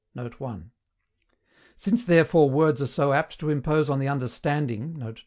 [Note 1.] Since therefore words are so apt to impose on the understanding[Note 2.